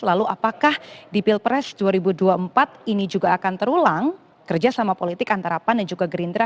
lalu apakah di pilpres dua ribu dua puluh empat ini juga akan terulang kerjasama politik antara pan dan juga gerindra